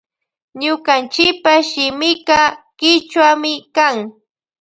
Ñukanchipa shimika kichwami kan.